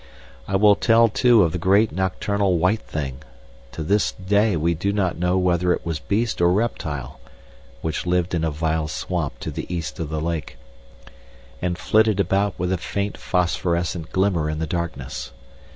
I will tell, too, of the great nocturnal white thing to this day we do not know whether it was beast or reptile which lived in a vile swamp to the east of the lake, and flitted about with a faint phosphorescent glimmer in the darkness.